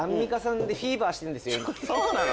そうなの？